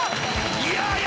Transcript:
いや